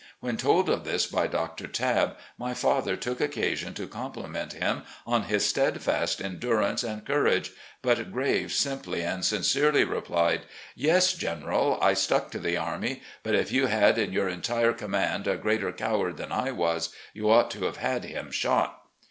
When told of this by Dr. Tabb, my father took occasion to compli ment him on his steadfast endurance and courage, but Graves simply and sincerely replied, " Yes, General, I stuck to the army, but if you had in your entire command a greater coward than I was, you ought to have had him shot."